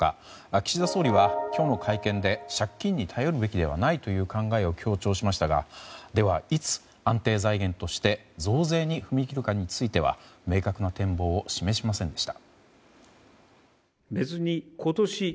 岸田総理は今日の会見で借金に頼るべきではないという考えを強調しましたがでは、いつ安定財源として増税に踏み切るかについては明確な展望を示しませんでした。